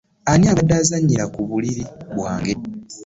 Ani abadde azanyira ku buliri bwange?